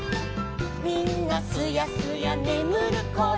「みんなすやすやねむるころ」